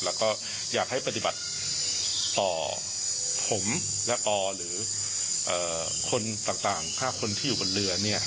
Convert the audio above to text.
แล้วก็อยากให้ปฏิบัติต่อผมและอหรือคนต่าง๕คนที่อยู่บนเรือเนี่ย